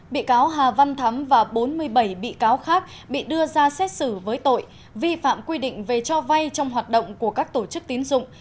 bị cáo hà văn thắm và bốn mươi bảy bị cáo khác bị đưa ra xét xử với tội vi phạm quy định về cho vay trong hoạt động của các tổ chức tín dụng